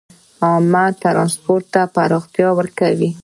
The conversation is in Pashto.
عام ټرانسپورټ ته پراختیا ورکوي.